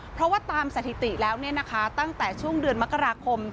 เพราะว่าตามสถิติแล้วตั้งแต่ช่วงเดือนมกราคม